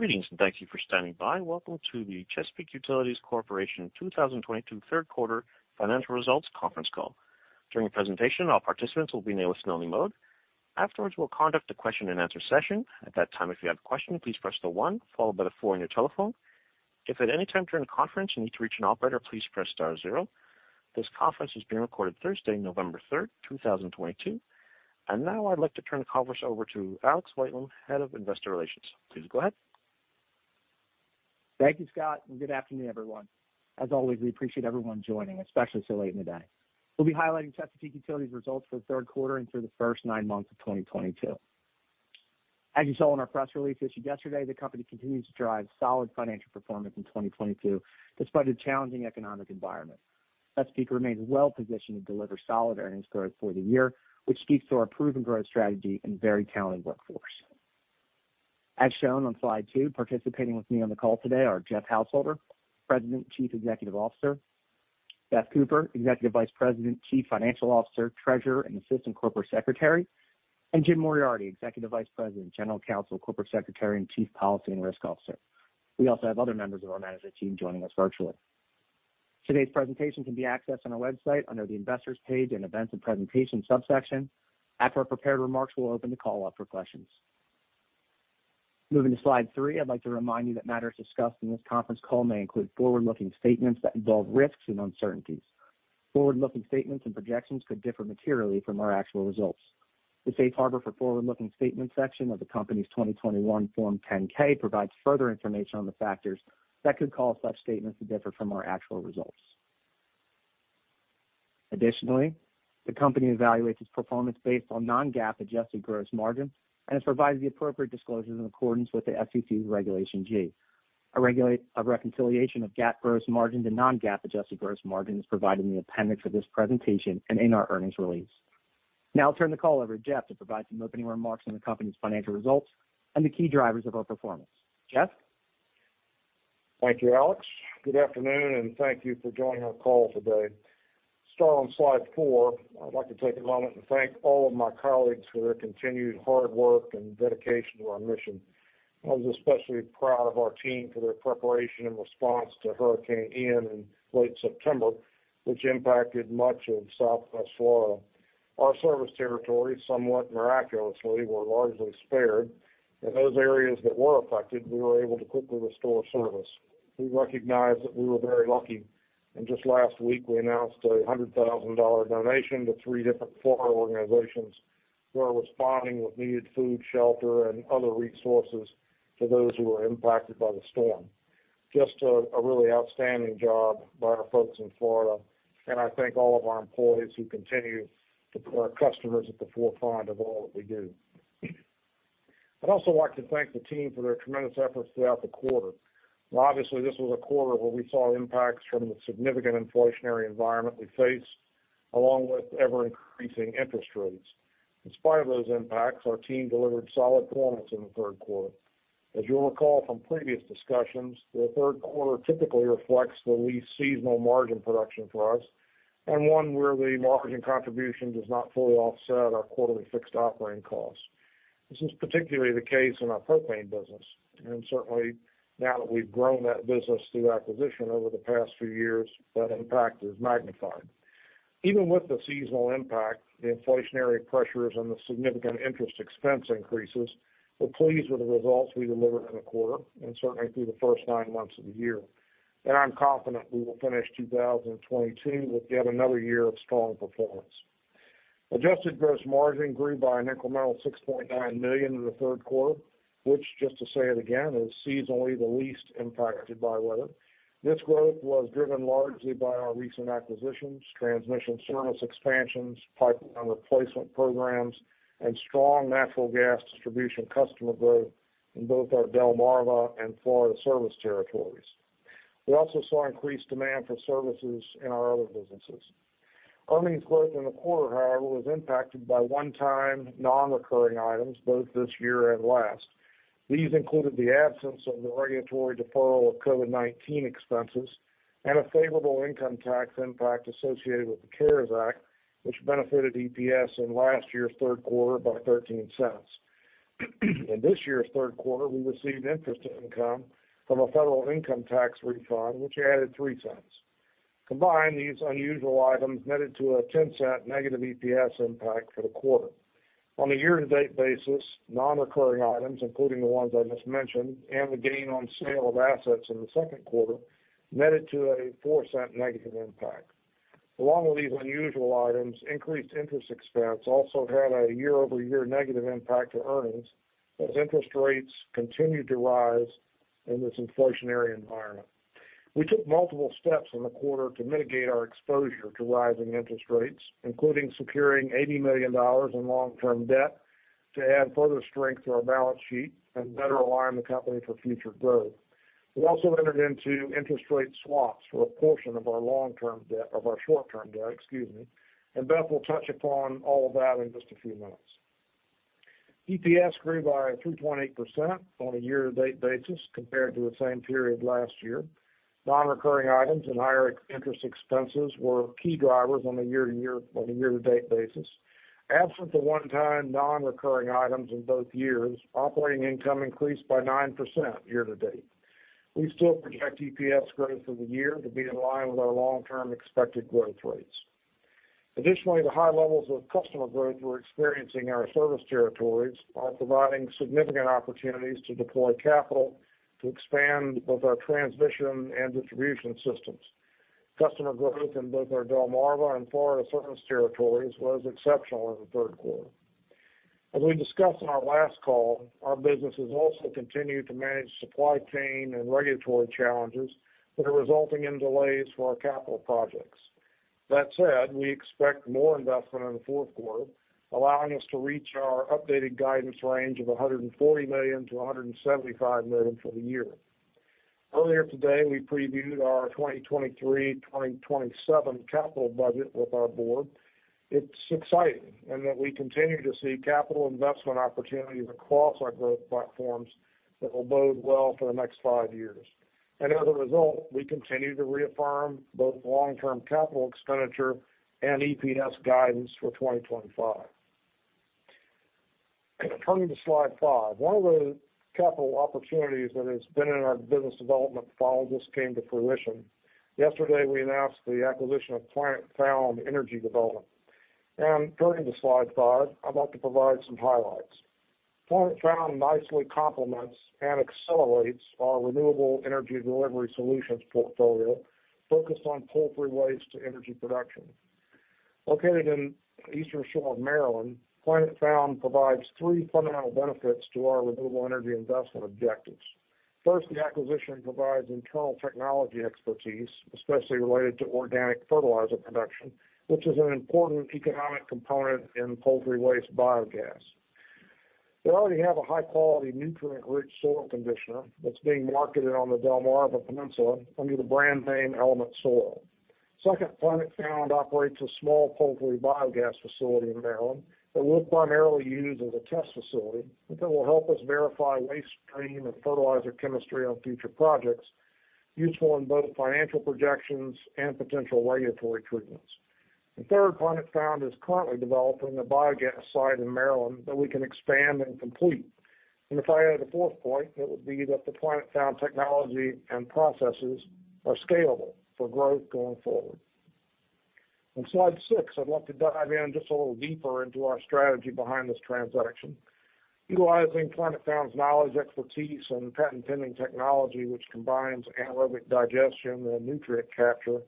Greetings, and thank you for standing by. Welcome to the Chesapeake Utilities Corporation 2022 third quarter financial results conference call. During the presentation, all participants will be in a listen-only mode. Afterwards, we'll conduct a question-and-answer session. At that time, if you have a question, please press the one followed by the four on your telephone. If at any time during the conference you need to reach an operator, please press star zero. This conference is being recorded Thursday, November 3rd, 2022. Now I'd like to turn the conference over to Alex Whitelam, Head of Investor Relations. Please go ahead. Thank you, Scott, and good afternoon, everyone. As always, we appreciate everyone joining, especially so late in the day. We'll be highlighting Chesapeake Utilities results for the third quarter and through the first nine months of 2022. As you saw in our press release issued yesterday, the company continues to drive solid financial performance in 2022 despite a challenging economic environment. Chesapeake remains well positioned to deliver solid earnings growth for the year, which speaks to our proven growth strategy and very talented workforce. As shown on slide 2, participating with me on the call today are Jeff Householder, President and Chief Executive Officer. Beth Cooper, Executive Vice President, Chief Financial Officer, Treasurer, and Assistant Corporate Secretary. Jim Moriarty, Executive Vice President, General Counsel, Corporate Secretary, and Chief Policy and Risk Officer. We also have other members of our management team joining us virtually. Today's presentation can be accessed on our website under the Investors page in Events and Presentation subsection. After our prepared remarks, we'll open the call up for questions. Moving to slide 3, I'd like to remind you that matters discussed in this conference call may include forward-looking statements that involve risks and uncertainties. Forward-looking statements and projections could differ materially from our actual results. The Safe Harbor for Forward-Looking Statements section of the company's 2021 Form 10-K provides further information on the factors that could cause such statements to differ from our actual results. Additionally, the company evaluates its performance based on non-GAAP adjusted gross margin and has provided the appropriate disclosures in accordance with the SEC Regulation G. A reconciliation of GAAP gross margin to non-GAAP adjusted gross margin is provided in the appendix of this presentation and in our earnings release. Now I'll turn the call over to Jeff to provide some opening remarks on the company's financial results and the key drivers of our performance. Jeff? Thank you, Alex. Good afternoon, and thank you for joining our call today. Start on slide 4, I'd like to take a moment and thank all of my colleagues for their continued hard work and dedication to our mission. I was especially proud of our team for their preparation and response to Hurricane Ian in late September, which impacted much of Southwest Florida. Our service territories, somewhat miraculously, were largely spared. In those areas that were affected, we were able to quickly restore service. We recognize that we were very lucky, and just last week, we announced a $100,000 donation to three different Florida organizations who are responding with needed food, shelter, and other resources to those who were impacted by the storm. Just a really outstanding job by our folks in Florida, and I thank all of our employees who continue to put our customers at the forefront of all that we do. I'd also like to thank the team for their tremendous efforts throughout the quarter. Now obviously, this was a quarter where we saw impacts from the significant inflationary environment we face, along with ever-increasing interest rates. In spite of those impacts, our team delivered solid performance in the third quarter. As you'll recall from previous discussions, the third quarter typically reflects the least seasonal margin production for us and one where the marketing contribution does not fully offset our quarterly fixed operating costs. This is particularly the case in our propane business, and certainly now that we've grown that business through acquisition over the past few years, that impact is magnified. Even with the seasonal impact, the inflationary pressures and the significant interest expense increases, we're pleased with the results we delivered in the quarter and certainly through the first nine months of the year. I'm confident we will finish 2022 with yet another year of strong performance. Adjusted gross margin grew by an incremental $6.9 million in the third quarter, which, just to say it again, is seasonally the least impacted by weather. This growth was driven largely by our recent acquisitions, transmission service expansions, pipeline replacement programs, and strong natural gas distribution customer growth in both our Delmarva and Florida service territories. We also saw increased demand for services in our other businesses. Earnings growth in the quarter, however, was impacted by one-time non-recurring items both this year and last. These included the absence of the regulatory deferral of COVID-19 expenses and a favorable income tax impact associated with the CARES Act, which benefited EPS in last year's third quarter by $0.13. In this year's third quarter, we received interest income from a federal income tax refund, which added $0.03. Combined, these unusual items netted to a $0.10 negative EPS impact for the quarter. On a year-to-date basis, non-recurring items, including the ones I just mentioned and the gain on sale of assets in the second quarter, netted to a $0.04 negative impact. Along with these unusual items, increased interest expense also had a year-over-year negative impact to earnings as interest rates continued to rise in this inflationary environment. We took multiple steps in the quarter to mitigate our exposure to rising interest rates, including securing $80 million in long-term debt to add further strength to our balance sheet and better align the company for future growth. We also entered into interest rate swaps for a portion of our long-term debt, of our short-term debt, excuse me, and Beth will touch upon all of that in just a few minutes. EPS grew by 3.8% on a year-to-date basis compared to the same period last year. Nonrecurring items and higher interest expenses were key drivers on a year-to-date basis. Absent the one-time nonrecurring items in both years, operating income increased by 9% year to date. We still project EPS growth for the year to be in line with our long-term expected growth rates. Additionally, the high levels of customer growth we're experiencing in our service territories are providing significant opportunities to deploy capital to expand both our transmission and distribution systems. Customer growth in both our Delmarva and Florida service territories was exceptional in the third quarter. As we discussed on our last call, our businesses also continue to manage supply chain and regulatory challenges that are resulting in delays for our capital projects. That said, we expect more investment in the fourth quarter, allowing us to reach our updated guidance range of $140 million-$175 million for the year. Earlier today, we previewed our 2023-2027 capital budget with our board. It's exciting in that we continue to see capital investment opportunities across our growth platforms that will bode well for the next five years. As a result, we continue to reaffirm both long-term capital expenditure and EPS guidance for 2025. Turning to slide 5. One of the capital opportunities that has been in our business development funnel just came to fruition. Yesterday, we announced the acquisition of Planet Found Energy Development. Turning to slide 5, I'd like to provide some highlights. Planet Found nicely complements and accelerates our renewable energy delivery solutions portfolio focused on poultry waste to energy production. Located in Eastern Shore of Maryland, Planet Found provides three fundamental benefits to our renewable energy investment objectives. First, the acquisition provides internal technology expertise, especially related to organic fertilizer production, which is an important economic component in poultry waste biogas. They already have a high-quality, nutrient-rich soil conditioner that's being marketed on the Delmarva Peninsula under the brand name Element Soil. Second, Planet Found operates a small poultry biogas facility in Maryland that we'll primarily use as a test facility, but that will help us verify waste stream and fertilizer chemistry on future projects, useful in both financial projections and potential regulatory treatments. Third, Planet Found is currently developing a biogas site in Maryland that we can expand and complete. If I add a fourth point, it would be that the Planet Found technology and processes are scalable for growth going forward. On slide 6, I'd love to dive in just a little deeper into our strategy behind this transaction. Utilizing Planet Found's knowledge, expertise, and patent-pending technology, which combines anaerobic digestion and nutrient capture,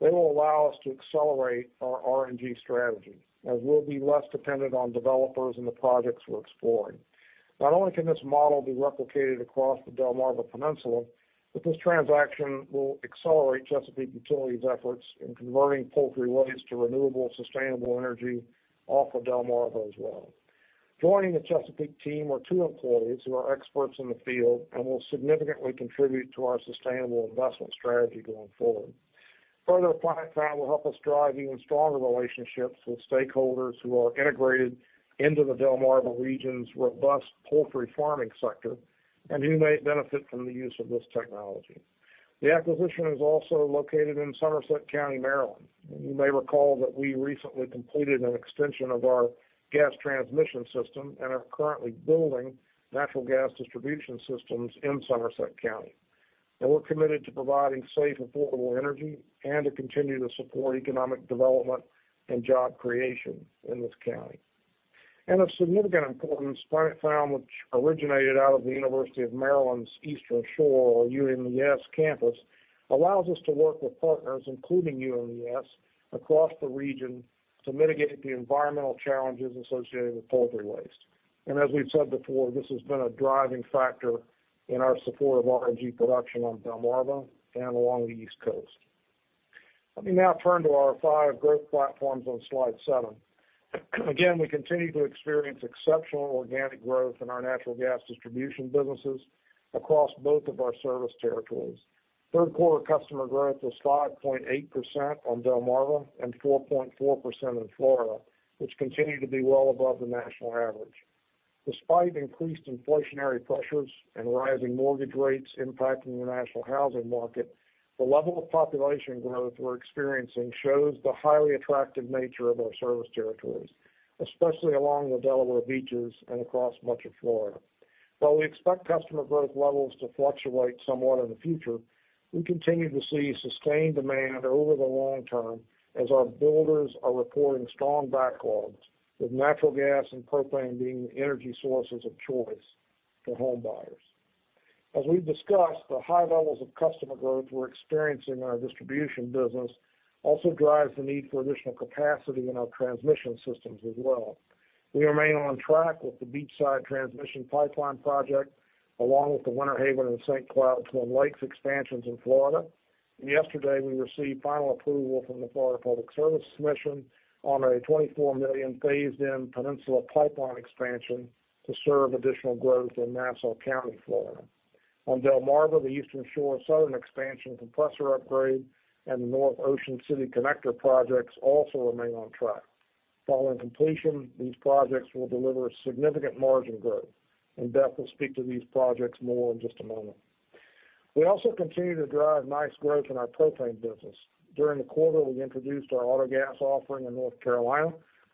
they will allow us to accelerate our RNG strategy, as we'll be less dependent on developers in the projects we're exploring. Not only can this model be replicated across the Delmarva Peninsula, but this transaction will accelerate Chesapeake Utilities' efforts in converting poultry waste to renewable, sustainable energy off of Delmarva as well. Joining the Chesapeake team are two employees who are experts in the field and will significantly contribute to our sustainable investment strategy going forward. Further, Planet Found will help us drive even stronger relationships with stakeholders who are integrated into the Delmarva region's robust poultry farming sector and who may benefit from the use of this technology. The acquisition is also located in Somerset County, Maryland. You may recall that we recently completed an extension of our gas transmission system and are currently building natural gas distribution systems in Somerset County. We're committed to providing safe, affordable energy and to continue to support economic development and job creation in this county. Of significant importance, Planet Found, which originated out of the University of Maryland Eastern Shore, or UMES campus, allows us to work with partners, including UMES, across the region to mitigate the environmental challenges associated with poultry waste. As we've said before, this has been a driving factor in our support of RNG production on Delmarva and along the East Coast. Let me now turn to our five growth platforms on slide 7. Again, we continue to experience exceptional organic growth in our natural gas distribution businesses across both of our service territories. Third quarter customer growth was 5.8% on Delmarva and 4.4% in Florida, which continue to be well above the national average. Despite increased inflationary pressures and rising mortgage rates impacting the national housing market, the level of population growth we're experiencing shows the highly attractive nature of our service territories, especially along the Delaware beaches and across much of Florida. While we expect customer growth levels to fluctuate somewhat in the future, we continue to see sustained demand over the long term as our builders are reporting strong backlogs, with natural gas and propane being the energy sources of choice for homebuyers. As we've discussed, the high levels of customer growth we're experiencing in our distribution business also drives the need for additional capacity in our transmission systems as well. We remain on track with the Beachside Transmission Pipeline project, along with the Winter Haven and St. Cloud Twin Lakes expansions in Florida. Yesterday, we received final approval from the Florida Public Service Commission on a $24 million phased-in Peninsula Pipeline expansion to serve additional growth in Nassau County, Florida. On Delmarva, the Eastern Shore Southern Expansion Compressor Upgrade and the North Ocean City Connector projects also remain on track. Following completion, these projects will deliver significant margin growth, and Beth will speak to these projects more in just a moment. We also continue to drive nice growth in our propane business. During the quarter, we introduced our AutoGas offering in North Carolina,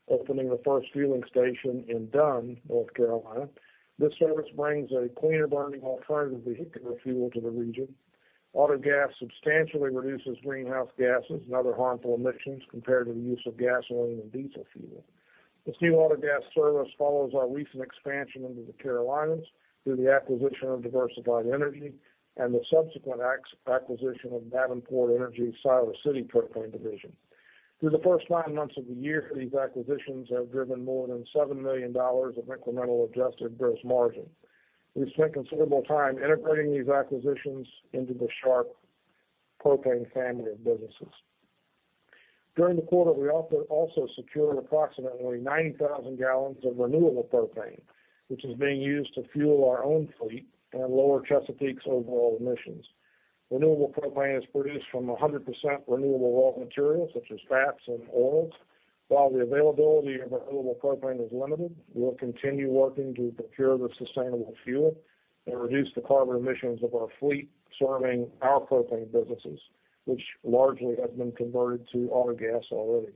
opening the first fueling station in Dunn, North Carolina. This service brings a cleaner-burning alternative vehicular fuel to the region. AutoGas substantially reduces greenhouse gases and other harmful emissions compared to the use of gasoline and diesel fuel. The new auto gas service follows our recent expansion into the Carolinas through the acquisition of Diversified Energy Company and the subsequent acquisition of Davenport Energy's Siler City propane division. Through the first nine months of the year, these acquisitions have driven more than $7 million of incremental adjusted gross margin. We've spent considerable time integrating these acquisitions into the Sharp Energy family of businesses. During the quarter, we also secured approximately 90,000 gal of renewable propane, which is being used to fuel our own fleet and lower Chesapeake Utilities' overall emissions. Renewable propane is produced from 100% renewable raw materials such as fats and oils. While the availability of renewable propane is limited, we'll continue working to procure the sustainable fuel and reduce the carbon emissions of our fleet serving our propane businesses, which largely have been converted to auto gas already.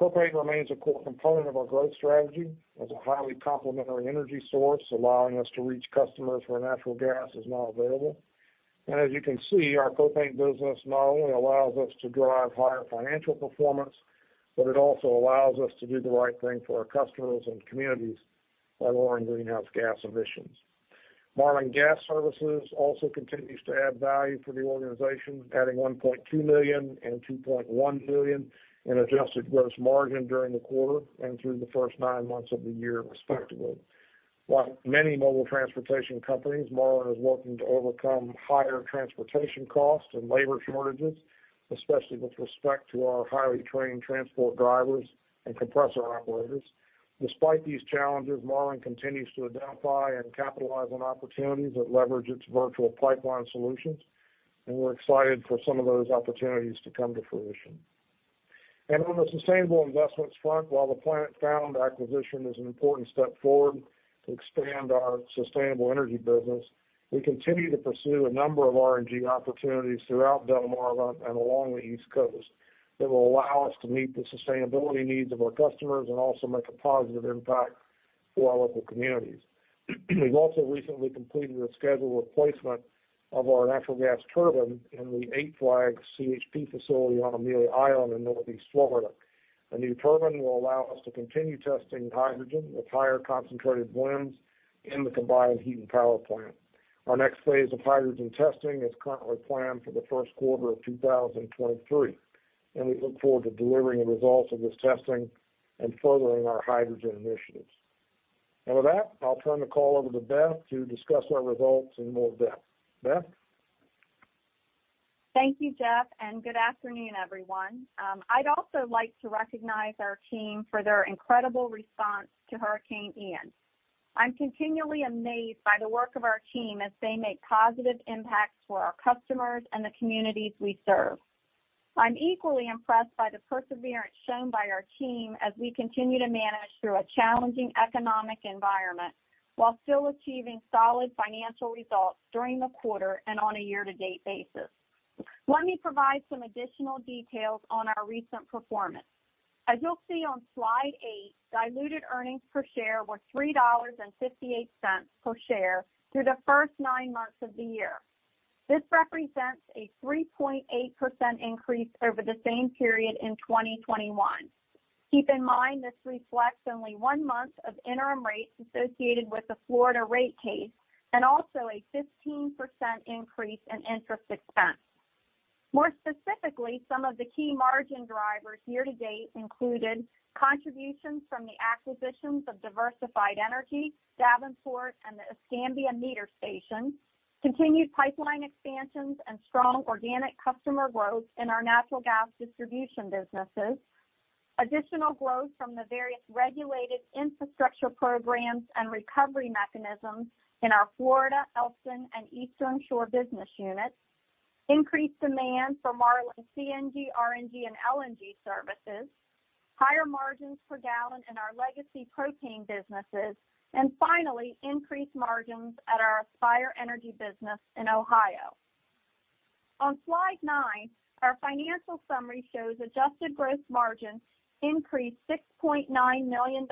Propane remains a core component of our growth strategy as a highly complementary energy source, allowing us to reach customers where natural gas is not available. As you can see, our propane business not only allows us to drive higher financial performance, but it also allows us to do the right thing for our customers and communities by lowering greenhouse gas emissions. Marlin Gas Services also continues to add value for the organization, adding $1.2 million and $2.1 million in adjusted gross margin during the quarter and through the first nine months of the year, respectively. While many mobile transportation companies, Marlin is working to overcome higher transportation costs and labor shortages, especially with respect to our highly trained transport drivers and compressor operators. Despite these challenges, Marlin continues to identify and capitalize on opportunities that leverage its virtual pipeline solutions, and we're excited for some of those opportunities to come to fruition. On the sustainable investments front, while the Planet Found acquisition is an important step forward to expand our sustainable energy business, we continue to pursue a number of RNG opportunities throughout Delmarva and along the East Coast that will allow us to meet the sustainability needs of our customers and also make a positive impact for our local communities. We've also recently completed a scheduled replacement of our natural gas turbine in the Eight Flags CHP facility on Amelia Island in Northeast Florida. A new turbine will allow us to continue testing hydrogen with higher concentrated blends in the combined heat and power plant. Our next phase of hydrogen testing is currently planned for the first quarter of 2023, and we look forward to delivering the results of this testing and furthering our hydrogen initiatives. With that, I'll turn the call over to Beth to discuss our results in more depth. Beth? Thank you, Jeff, and good afternoon, everyone. I'd also like to recognize our team for their incredible response to Hurricane Ian. I'm continually amazed by the work of our team as they make positive impacts for our customers and the communities we serve. I'm equally impressed by the perseverance shown by our team as we continue to manage through a challenging economic environment while still achieving solid financial results during the quarter and on a year-to-date basis. Let me provide some additional details on our recent performance. As you'll see on slide 8, diluted earnings per share were $3.58 per share through the first nine months of the year. This represents a 3.8% increase over the same period in 2021. Keep in mind, this reflects only one month of interim rates associated with the Florida rate case and also a 15% increase in interest expense. More specifically, some of the key margin drivers year-to-date included contributions from the acquisitions of Diversified Energy, Davenport Energy, and the Escambia Meter Station, continued pipeline expansions and strong organic customer growth in our natural gas distribution businesses, additional growth from the various regulated infrastructure programs and recovery mechanisms in our Florida, Elkton, and Eastern Shore business units, increased demand for Marlin CNG, RNG, and LNG services, higher margins per gallon in our legacy propane businesses, and finally, increased margins at our Aspire Energy business in Ohio. On slide 9, our financial summary shows adjusted gross margins increased $6.9 million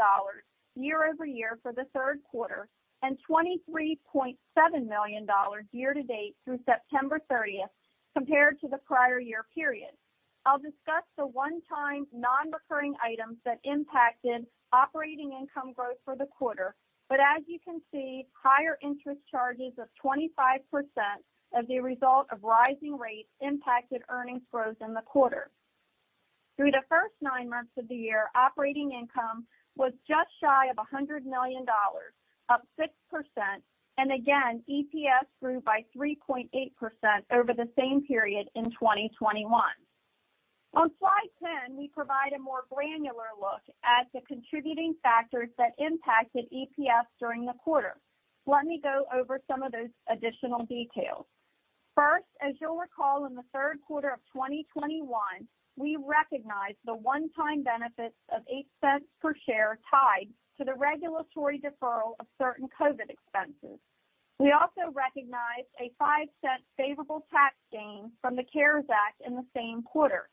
year-over-year for the third quarter and $23.7 million year to date through September 30th compared to the prior year period. I'll discuss the one-time non-recurring items that impacted operating income growth for the quarter, but as you can see, higher interest charges of 25% as a result of rising rates impacted earnings growth in the quarter. Through the first nine months of the year, operating income was just shy of $100 million, up 6%, and again, EPS grew by 3.8% over the same period in 2021. On slide 10, we provide a more granular look at the contributing factors that impacted EPS during the quarter. Let me go over some of those additional details. First, as you'll recall, in the third quarter of 2021, we recognized the one-time benefits of $0.08 per share tied to the regulatory deferral of certain COVID expenses. We also recognized a $0.05 favorable tax gain from the CARES Act in the same quarter.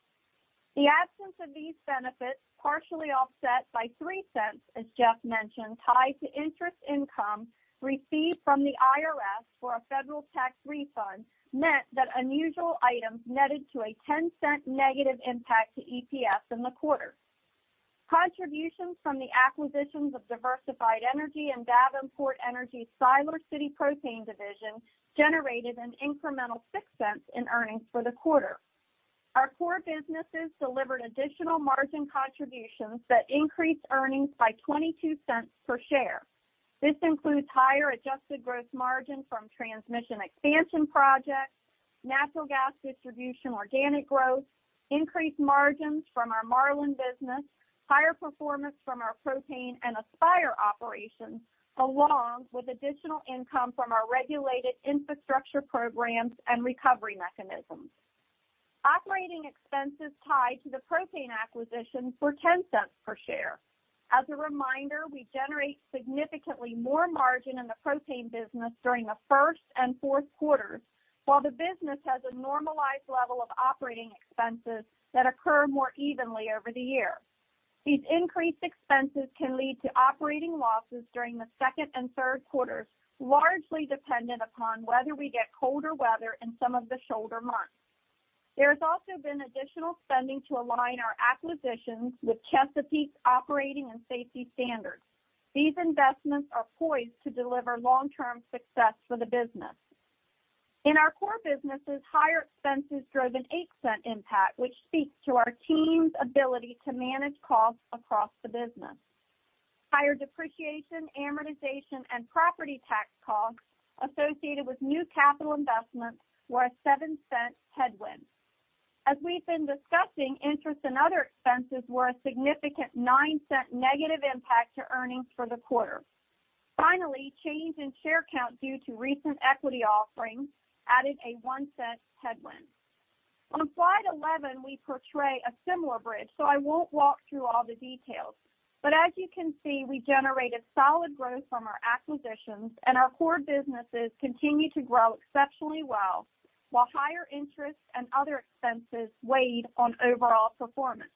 The absence of these benefits partially offset by $0.03, as Jeff mentioned, tied to interest income received from the IRS for a federal tax refund, meant that unusual items netted to a $0.10 negative impact to EPS in the quarter. Contributions from the acquisitions of Diversified Energy and Davenport Energy's Siler City propane division generated an incremental $0.06 in earnings for the quarter. Our core businesses delivered additional margin contributions that increased earnings by $0.22 per share. This includes higher adjusted gross margin from transmission expansion projects, natural gas distribution organic growth, increased margins from our Marlin business, higher performance from our propane and Aspire operations, along with additional income from our regulated infrastructure programs and recovery mechanisms. Operating expenses tied to the propane acquisitions were $0.10 per share. As a reminder, we generate significantly more margin in the propane business during the first and fourth quarters, while the business has a normalized level of operating expenses that occur more evenly over the year. These increased expenses can lead to operating losses during the second and third quarters, largely dependent upon whether we get colder weather in some of the shoulder months. There has also been additional spending to align our acquisitions with Chesapeake's operating and safety standards. These investments are poised to deliver long-term success for the business. In our core businesses, higher expenses drove a $0.08 impact, which speaks to our team's ability to manage costs across the business. Higher depreciation, amortization, and property tax costs associated with new capital investments were a $0.07 headwind. As we've been discussing, interest and other expenses were a significant $0.09 negative impact to earnings for the quarter. Finally, change in share count due to recent equity offerings added a $0.01 headwind. On slide 11, we portray a similar bridge, so I won't walk through all the details. As you can see, we generated solid growth from our acquisitions and our core businesses continue to grow exceptionally well, while higher interest and other expenses weighed on overall performance.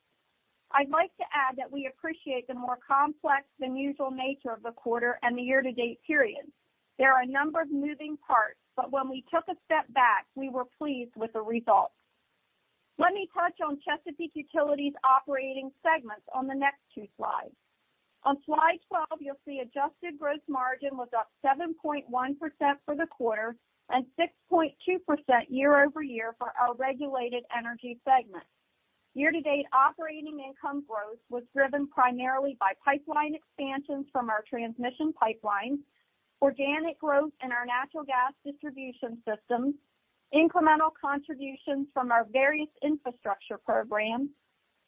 I'd like to add that we appreciate the more complex than usual nature of the quarter and the year-to-date period. There are a number of moving parts, but when we took a step back, we were pleased with the results. Let me touch on Chesapeake Utilities' operating segments on the next two slides. On slide 12, you'll see adjusted gross margin was up 7.1% for the quarter and 6.2% year-over-year for our regulated energy segment. Year-to-date operating income growth was driven primarily by pipeline expansions from our transmission pipelines, organic growth in our natural gas distribution systems, incremental contributions from our various infrastructure programs,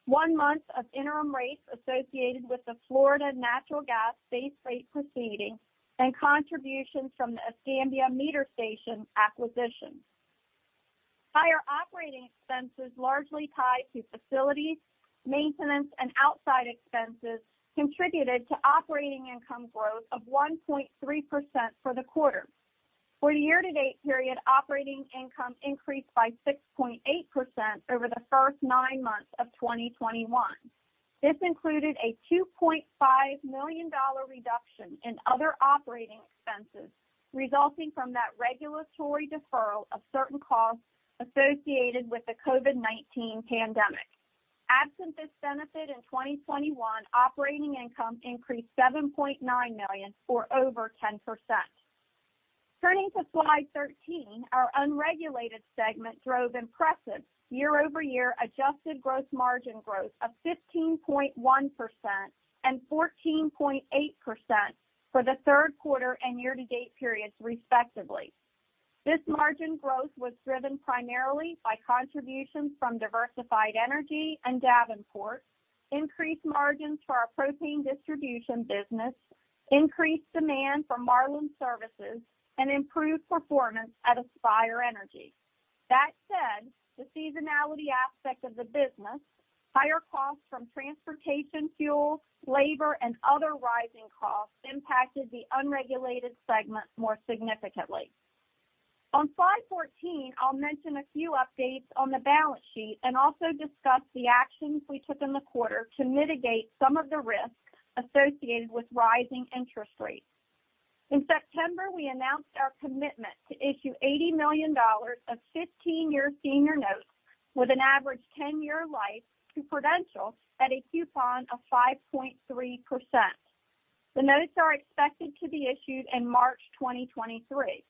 one month of interim rates associated with the Florida Natural Gas base rate proceeding, and contributions from the Escambia Meter Station acquisition. Higher operating expenses largely tied to facilities, maintenance, and outside expenses contributed to operating income growth of 1.3% for the quarter. For the year-to-date period, operating income increased by 6.8% over the first nine months of 2021. This included a $2.5 million reduction in other operating expenses resulting from that regulatory deferral of certain costs associated with the COVID-19 pandemic. Absent this benefit in 2021, operating income increased $7.9 million or over 10%. Turning to slide 13, our unregulated segment drove impressive year-over-year adjusted gross margin growth of 15.1% and 14.8% for the third quarter and year-to-date periods, respectively. This margin growth was driven primarily by contributions from Diversified Energy and Davenport, increased margins for our propane distribution business, increased demand for Marlin services, and improved performance at Aspire Energy. That said, the seasonality aspect of the business, higher costs from transportation fuels, labor, and other rising costs impacted the unregulated segment more significantly. On slide 14, I'll mention a few updates on the balance sheet and also discuss the actions we took in the quarter to mitigate some of the risks associated with rising interest rates. In September, we announced our commitment to issue $80 million of 15-year senior notes with an average 10-year life to Prudential at a coupon of 5.3%. The notes are expected to be issued in March 2023.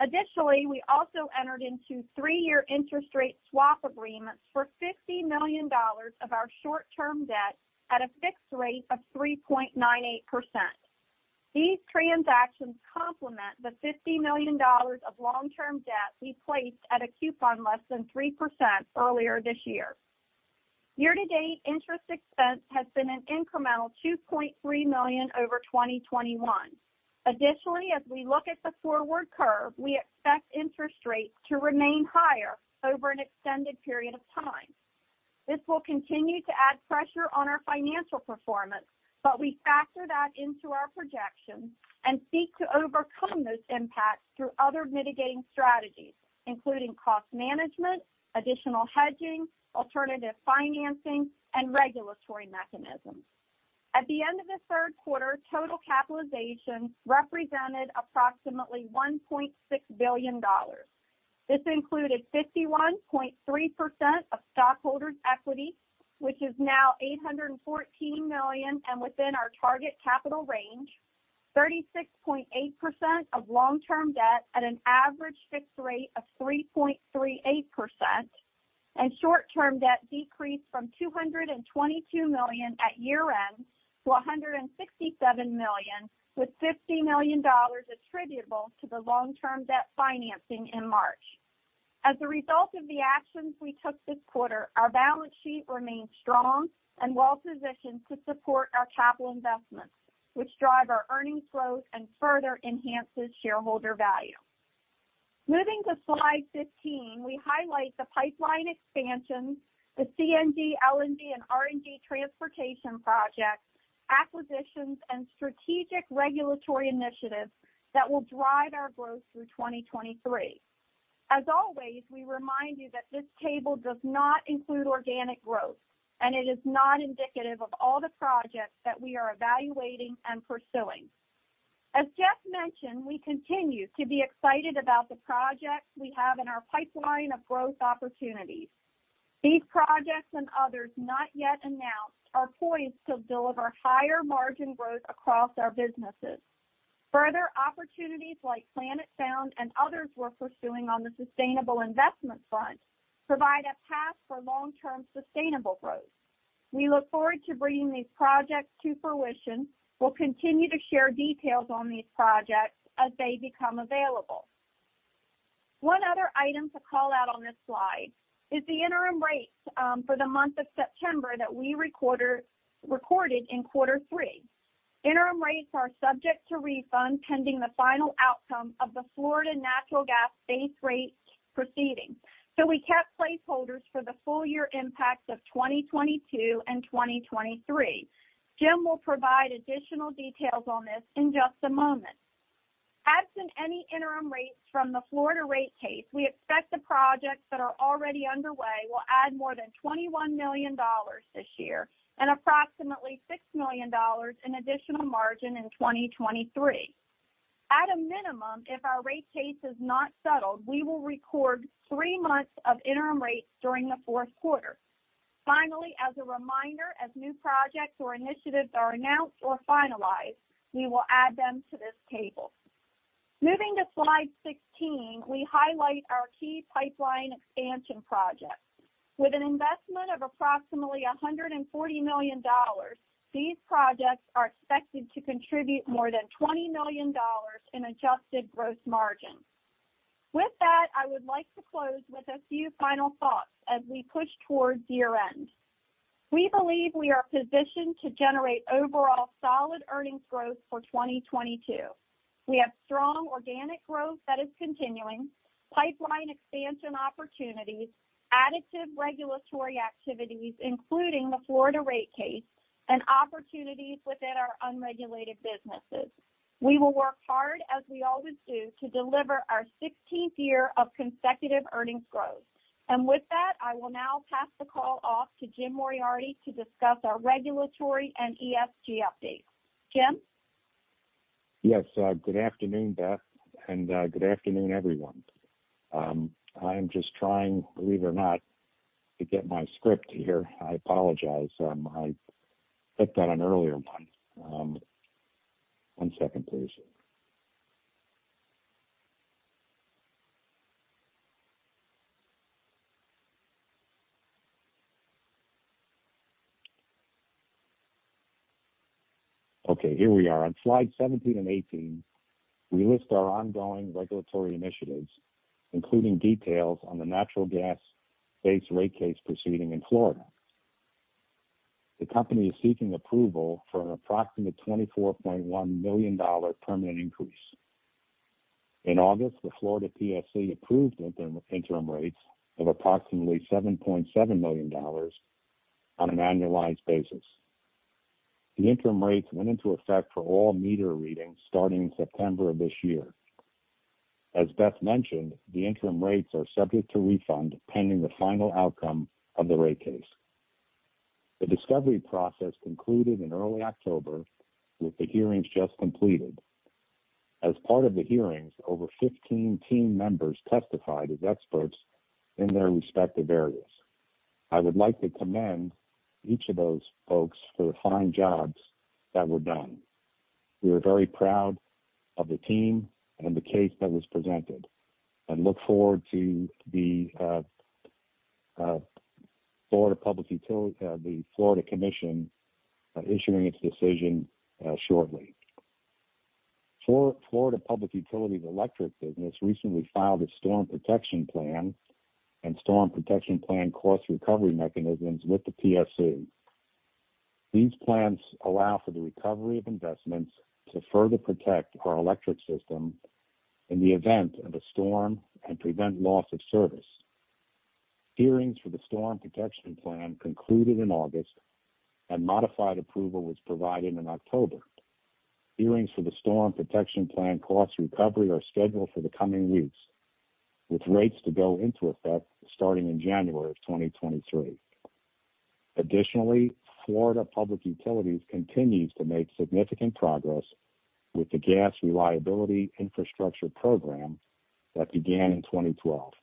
Additionally, we also entered into three-year interest rate swap agreements for $50 million of our short-term debt at a fixed rate of 3.98%. These transactions complement the $50 million of long-term debt we placed at a coupon less than 3% earlier this year. Year-to-date interest expense has been an incremental $2.3 million over 2021. Additionally, as we look at the forward curve, we expect interest rates to remain higher over an extended period of time. This will continue to add pressure on our financial performance, but we factor that into our projections and seek to overcome those impacts through other mitigating strategies, including cost management, additional hedging, alternative financing, and regulatory mechanisms. At the end of the third quarter, total capitalization represented approximately $1.6 billion. This included 51.3% of stockholders' equity, which is now $814 million and within our target capital range, 36.8% of long-term debt at an average fixed rate of 3.38%, and short-term debt decreased from $222 million at year-end to $167 million, with $50 million attributable to the long-term debt financing in March. As a result of the actions we took this quarter, our balance sheet remains strong and well-positioned to support our capital investments, which drive our earnings growth and further enhances shareholder value. Moving to slide 15, we highlight the pipeline expansions, the CNG, LNG, and RNG transportation projects, acquisitions, and strategic regulatory initiatives that will drive our growth through 2023. As always, we remind you that this table does not include organic growth, and it is not indicative of all the projects that we are evaluating and pursuing. As Jeff mentioned, we continue to be excited about the projects we have in our pipeline of growth opportunities. These projects and others not yet announced are poised to deliver higher margin growth across our businesses. Further opportunities like Planet Found and others we're pursuing on the sustainable investment front provide a path for long-term sustainable growth. We look forward to bringing these projects to fruition. We'll continue to share details on these projects as they become available. One other item to call out on this slide is the interim rates for the month of September that we recorded in quarter three. Interim rates are subject to refund pending the final outcome of the Florida Natural Gas base rate proceeding. We kept placeholders for the full year impacts of 2022 and 2023. Jim will provide additional details on this in just a moment. Absent any interim rates from the Florida rate case, we expect the projects that are already underway will add more than $21 million this year and approximately $6 million in additional margin in 2023. At a minimum, if our rate case is not settled, we will record three months of interim rates during the fourth quarter. Finally, as a reminder, as new projects or initiatives are announced or finalized, we will add them to this table. Moving to slide 16, we highlight our key pipeline expansion projects. With an investment of approximately $140 million, these projects are expected to contribute more than $20 million in adjusted gross margin. With that, I would like to close with a few final thoughts as we push towards year-end. We believe we are positioned to generate overall solid earnings growth for 2022. We have strong organic growth that is continuing, pipeline expansion opportunities, additive regulatory activities, including the Florida rate case, and opportunities within our unregulated businesses. We will work hard, as we always do, to deliver our 16th year of consecutive earnings growth. With that, I will now pass the call off to Jim Moriarty to discuss our regulatory and ESG updates. Jim? Yes. Good afternoon, Beth, and good afternoon, everyone. I am just trying, believe it or not, to get my script here. I apologize. I clicked on an earlier one. One second, please. Okay, here we are. On slide 17 and 18, we list our ongoing regulatory initiatives, including details on the natural gas-based rate case proceeding in Florida. The company is seeking approval for an approximate $24.1 million permanent increase. In August, the Florida PSC approved interim rates of approximately $7.7 million on an annualized basis. The interim rates went into effect for all meter readings starting September of this year. As Beth mentioned, the interim rates are subject to refund pending the final outcome of the rate case. The discovery process concluded in early October, with the hearings just completed. As part of the hearings, over 15 team members testified as experts in their respective areas. I would like to commend each of those folks for the fine jobs that were done. We are very proud of the team and the case that was presented and look forward to the Florida Commission issuing its decision shortly. Florida Public Utilities electric business recently filed a Storm Protection Plan and Storm Protection Plan cost recovery mechanisms with the PSC. These plans allow for the recovery of investments to further protect our electric system in the event of a storm and prevent loss of service. Hearings for the Storm Protection Plan concluded in August, and modified approval was provided in October. Hearings for the Storm Protection Plan cost recovery are scheduled for the coming weeks, with rates to go into effect starting in January of 2023. Florida Public Utilities continues to make significant progress with the Gas Reliability Infrastructure Program that began in 2012.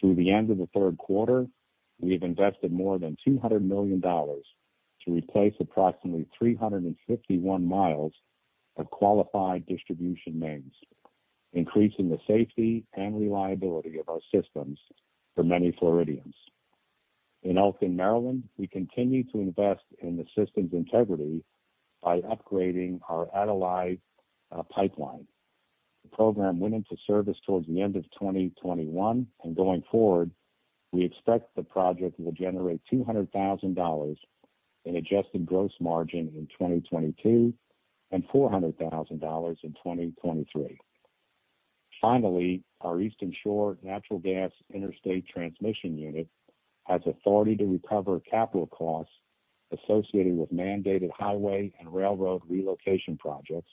Through the end of the third quarter, we have invested more than $200 million to replace approximately 351 mi of qualified distribution mains, increasing the safety and reliability of our systems for many Floridians. In Elkton, Maryland, we continue to invest in the system's integrity by upgrading our Adelphi pipeline. The program went into service towards the end of 2021, and going forward, we expect the project will generate $200,000 in adjusted gross margin in 2022 and $400,000 in 2023. Finally, our Eastern Shore Natural Gas Interstate Transmission Unit has authority to recover capital costs associated with mandated highway and railroad relocation projects,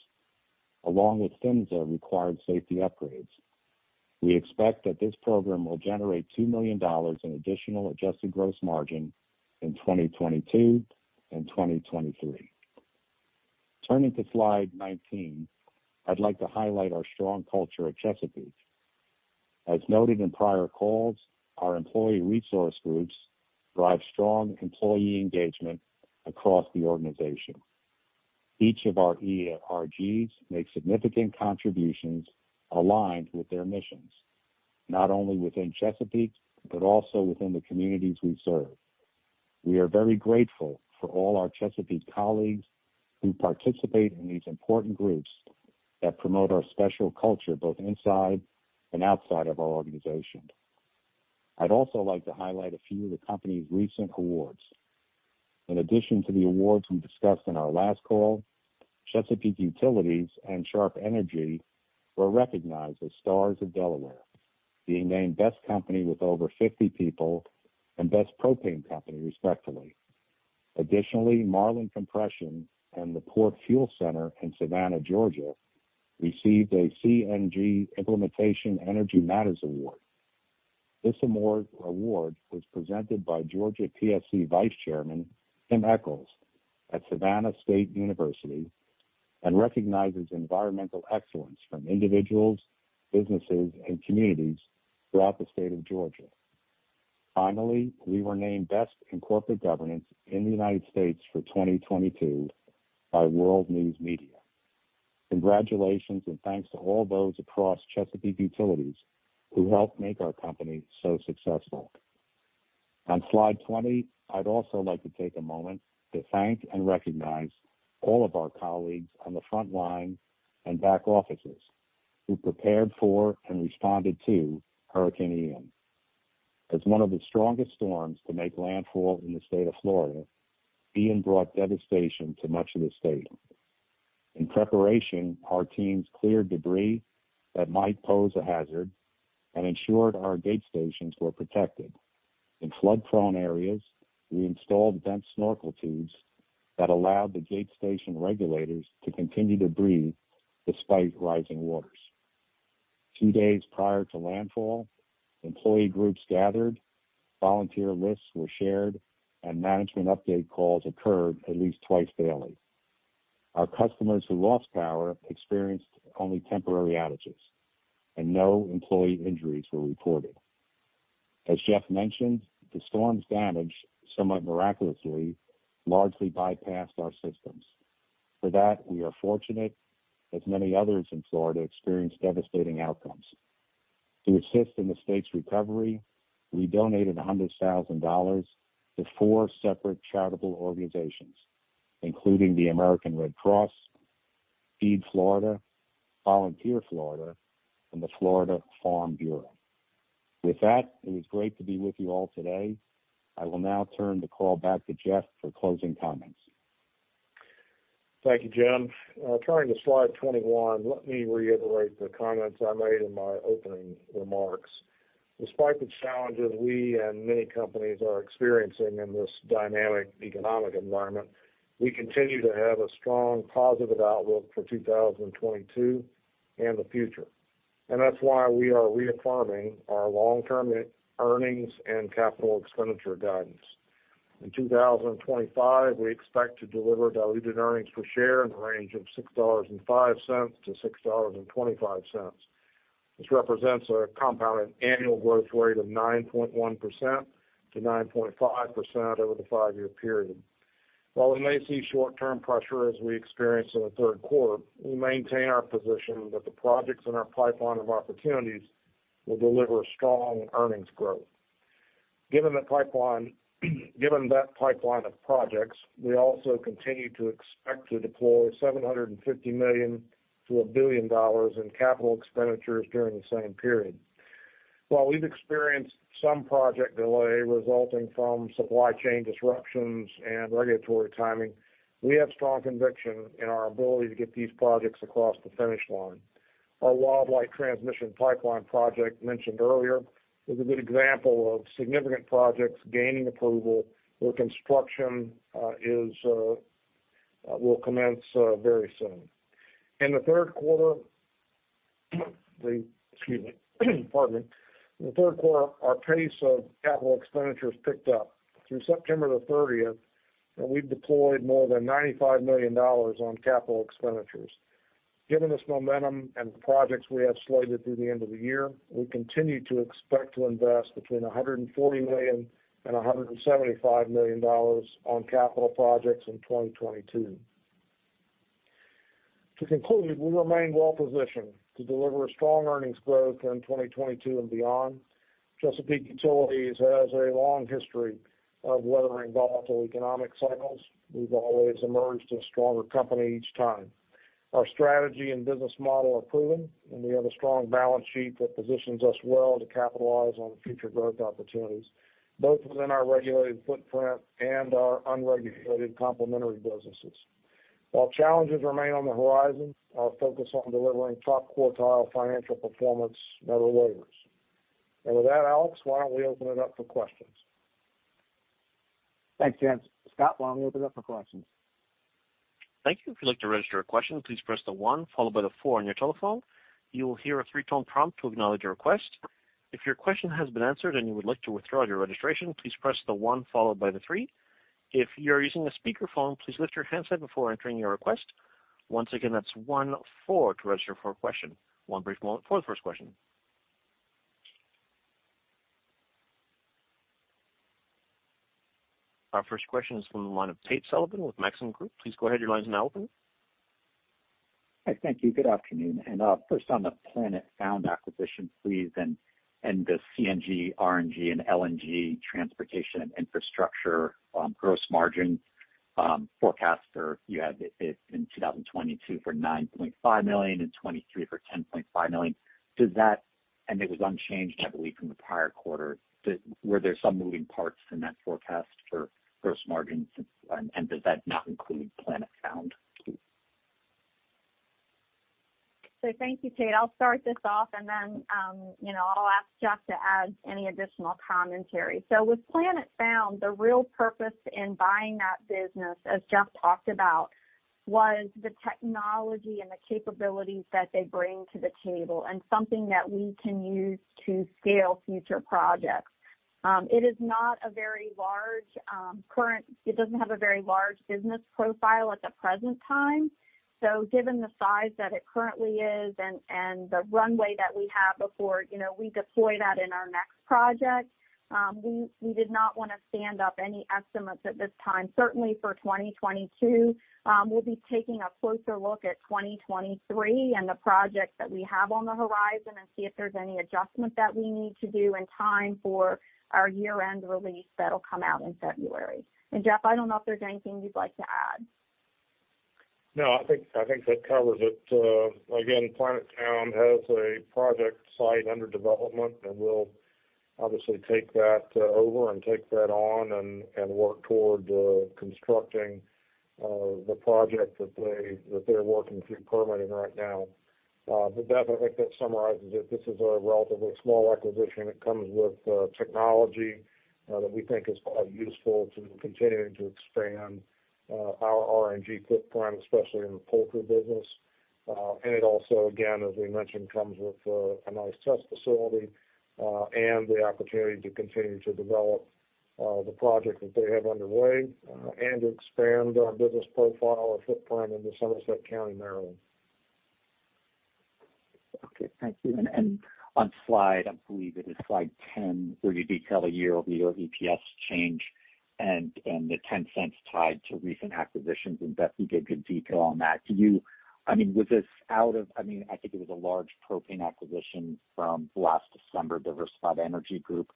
along with PHMSA-required safety upgrades. We expect that this program will generate $2 million in additional adjusted gross margin in 2022 and 2023. Turning to slide 19, I'd like to highlight our strong culture at Chesapeake. As noted in prior calls, our employee resource groups drive strong employee engagement across the organization. Each of our ERGs make significant contributions aligned with their missions, not only within Chesapeake, but also within the communities we serve. We are very grateful for all our Chesapeake colleagues who participate in these important groups that promote our special culture, both inside and outside of our organization. I'd also like to highlight a few of the company's recent awards. In addition to the awards we discussed in our last call, Chesapeake Utilities and Sharp Energy were recognized as Stars of Delaware, being named best company with over 50 people and best propane company, respectively. Additionally, Marlin Compression and the Port Fuel Center in Savannah, Georgia, received a CNG Implementation Energy Matters award. This award was presented by Georgia PSC Vice Chairman Tim Echols at Savannah State University and recognizes environmental excellence from individuals, businesses, and communities throughout the state of Georgia. Finally, we were named best in corporate governance in the United States for 2022 by World News Media. Congratulations and thanks to all those across Chesapeake Utilities who help make our company so successful. On slide 20, I'd also like to take a moment to thank and recognize all of our colleagues on the front line and back offices who prepared for and responded to Hurricane Ian. As one of the strongest storms to make landfall in the state of Florida, Ian brought devastation to much of the state. In preparation, our teams cleared debris that might pose a hazard and ensured our gate stations were protected. In flood-prone areas, we installed vent snorkel tubes that allowed the gate station regulators to continue to breathe despite rising waters. Two days prior to landfall, employee groups gathered, volunteer lists were shared, and management update calls occurred at least twice daily. Our customers who lost power experienced only temporary outages, and no employee injuries were reported. As Jeff mentioned, the storm's damage, somewhat miraculously, largely bypassed our systems. For that, we are fortunate, as many others in Florida experienced devastating outcomes. To assist in the state's recovery, we donated $100,000 to four separate charitable organizations, including the American Red Cross, Feeding Florida, Volunteer Florida, and the Florida Farm Bureau. With that, it was great to be with you all today. I will now turn the call back to Jeff for closing comments. Thank you, Jim. Turning to slide 21, let me reiterate the comments I made in my opening remarks. Despite the challenges we and many companies are experiencing in this dynamic economic environment, we continue to have a strong positive outlook for 2022 and the future. That's why we are reaffirming our long-term earnings and capital expenditure guidance. In 2025, we expect to deliver diluted earnings per share in the range of $6.05-$6.25. This represents a compounded annual growth rate of 9.1%-9.5% over the five-year period. While we may see short-term pressure as we experienced in the third quarter, we maintain our position that the projects in our pipeline of opportunities will deliver strong earnings growth. Given that pipeline of projects, we also continue to expect to deploy $750 million-$1 billion in capital expenditures during the same period. While we've experienced some project delay resulting from supply chain disruptions and regulatory timing, we have strong conviction in our ability to get these projects across the finish line. Our Wildlight transmission pipeline project mentioned earlier is a good example of significant projects gaining approval, where construction will commence very soon. In the third quarter, our pace of capital expenditures picked up. Through September 30th, we've deployed more than $95 million on capital expenditures. Given this momentum and the projects we have slated through the end of the year, we continue to expect to invest between $140 million and $175 million on capital projects in 2022. To conclude, we remain well-positioned to deliver a strong earnings growth in 2022 and beyond. Chesapeake Utilities has a long history of weathering volatile economic cycles. We've always emerged a stronger company each time. Our strategy and business model are proven, and we have a strong balance sheet that positions us well to capitalize on future growth opportunities, both within our regulated footprint and our unregulated complementary businesses. While challenges remain on the horizon, our focus on delivering top-quartile financial performance never wavers. With that, Alex, why don't we open it up for questions? Thanks, Jeff. Scott, why don't we open it up for questions? Thank you. If you'd like to register a question, please press the one followed by the four on your telephone. You will hear a three-tone prompt to acknowledge your request. If your question has been answered and you would like to withdraw your registration, please press the one followed by the three. If you're using a speakerphone, please lift your handset before entering your request. Once again, that's one-four to register for a question. One brief moment for the first question. Our first question is from the line of Tate Sullivan with Maxim Group. Please go ahead, your line is now open. Hi. Thank you. Good afternoon. First on the Planet Found acquisition, please, and the CNG, RNG, and LNG transportation and infrastructure, gross margin forecast. You had it in 2022 for $9.5 million, in 2023 for $10.5 million. It was unchanged, I believe, from the prior quarter. Were there some moving parts in that forecast for gross margins since and does that not include Planet Found, please? Thank you, Tate. I'll start this off and then, you know, I'll ask Jeff to add any additional commentary. With Planet Found, the real purpose in buying that business, as Jeff talked about, was the technology and the capabilities that they bring to the table and something that we can use to scale future projects. It is not a very large current. It doesn't have a very large business profile at the present time. Given the size that it currently is and the runway that we have before, you know, we deploy that in our next project, we did not wanna stand up any estimates at this time, certainly for 2022. We'll be taking a closer look at 2023 and the projects that we have on the horizon and see if there's any adjustment that we need to do in time for our year-end release that'll come out in February. Jeff, I don't know if there's anything you'd like to add. No, I think that covers it. Again, Planet Found has a project site under development, and we'll obviously take that over and take that on and work toward constructing the project that they're working through permitting right now. That, I think, summarizes it. This is a relatively small acquisition. It comes with technology that we think is quite useful to continuing to expand our RNG footprint, especially in the poultry business. It also, again, as we mentioned, comes with a nice test facility and the opportunity to continue to develop the project that they have underway and to expand our business profile or footprint into Somerset County, Maryland. Okay. Thank you. On slide 10, where you detail a year-over-year EPS change and the $0.10 tied to recent acquisitions, and Beth, you gave good detail on that. Do you, I mean, was this out of, I mean, I think it was a large propane acquisition from last December, Diversified Energy Company.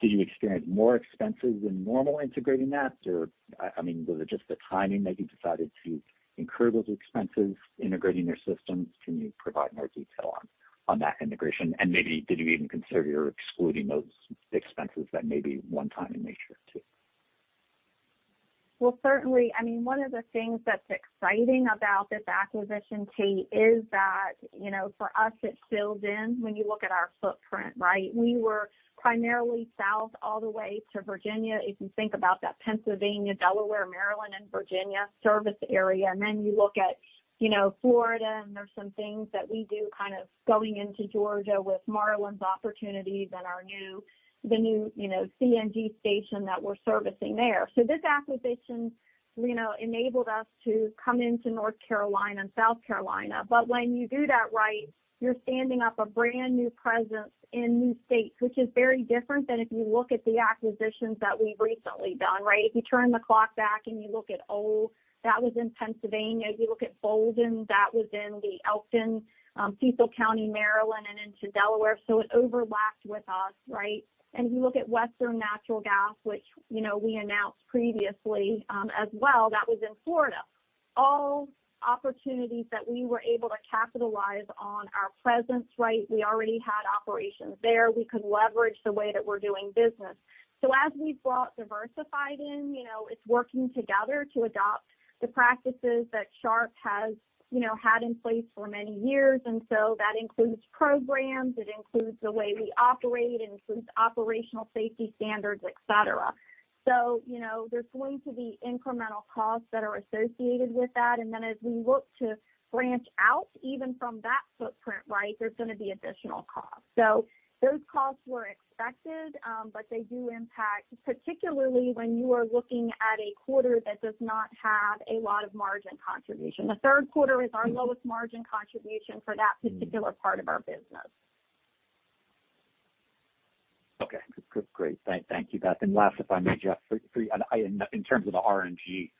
Did you experience more expenses than normal integrating that? Or, I mean, was it just the timing that you decided to incur those expenses integrating their systems? Can you provide more detail on that integration? Maybe did you even consider excluding those expenses that may be one-time in nature, too? Well, certainly, I mean, one of the things that's exciting about this acquisition, Tate, is that, you know, for us, it fills in when you look at our footprint, right? We were primarily south all the way to Virginia. If you think about that Pennsylvania, Delaware, Maryland, and Virginia service area, and then you look at, you know, Florida, and there's some things that we do kind of going into Georgia with Marlin's opportunities and the new, you know, CNG station that we're servicing there. This acquisition, you know, enabled us to come into North Carolina and South Carolina. When you do that, right, you're standing up a brand-new presence in new states, which is very different than if you look at the acquisitions that we've recently done, right? If you turn the clock back and you look at Ohl, that was in Pennsylvania. If you look at Boulden, that was in the Elkton, Cecil County, Maryland, and into Delaware, so it overlapped with us, right? If you look at Western Natural Gas, which, you know, we announced previously, as well, that was in Florida. All opportunities that we were able to capitalize on our presence, right? We already had operations there. We could leverage the way that we're doing business. As we've brought Diversified in, you know, it's working together to adopt the practices that Sharp has, you know, had in place for many years. That includes programs, it includes the way we operate, it includes operational safety standards, et cetera. You know, there's going to be incremental costs that are associated with that. Then as we look to branch out, even from that footprint, right, there's gonna be additional costs. Those costs were expected, but they do impact, particularly when you are looking at a quarter that does not have a lot of margin contribution. The third quarter is our lowest margin contribution for that particular part of our business. Okay. Great. Thank you, Beth. Last, if I may, Jeff. In terms of the RNG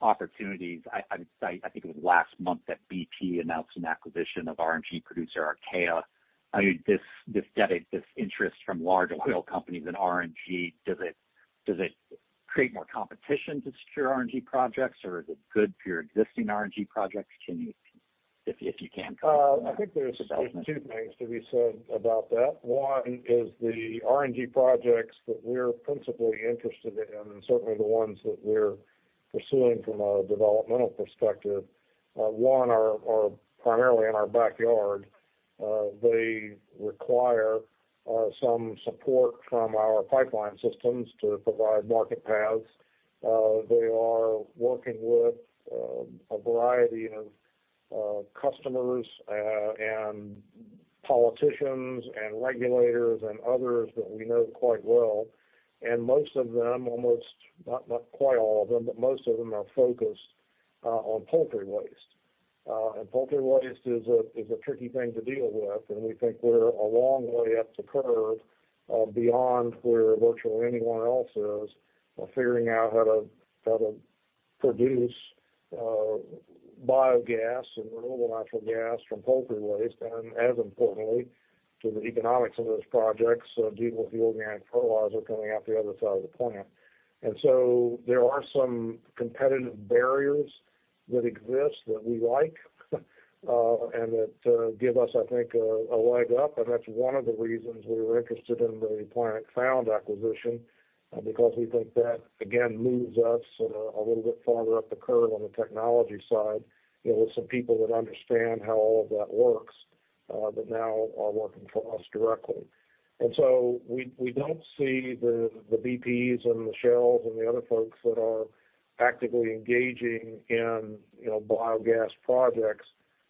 opportunities, I would say, I think it was last month that BP announced an acquisition of RNG producer, Archaea. I mean, this deal and this interest from large oil companies in RNG, does it create more competition to secure RNG projects, or is it good for your existing RNG projects? Can you, if you can, comment on that. I think there's two things to be said about that. One is the RNG projects that we're principally interested in, and certainly the ones that we're pursuing from a developmental perspective, are primarily in our backyard. They require some support from our pipeline systems to provide market paths. They are working with a variety of customers, and politicians and regulators and others that we know quite well. Most of them, almost not quite all of them, but most of them are focused on poultry waste. Poultry waste is a tricky thing to deal with, and we think we're a long way up the curve, beyond where virtually anyone else is, figuring out how to produce biogas and renewable natural gas from poultry waste, and as importantly to the economics of those projects, deal with the organic fertilizer coming out the other side of the plant. There are some competitive barriers that exist that we like, and that give us, I think, a leg up. That's one of the reasons we were interested in the Planet Found acquisition, because we think that again, moves us, sort of a little bit farther up the curve on the technology side, you know, with some people that understand how all of that works, that now are working for us directly. We don't see the BPs and the Shells and the other folks that are actively engaging in, you know, biogas projects,